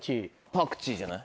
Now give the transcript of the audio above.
パクチーじゃない？